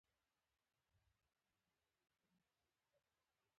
الخلیل د کلونو راهیسې د تاوتریخوالي شاهد دی.